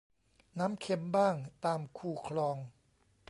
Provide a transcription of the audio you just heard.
น้ำเค็มบ้างตามคูคลอง